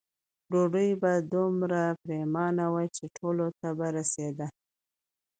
ډوډۍ به دومره پریمانه وه چې ټولو ته به رسېده.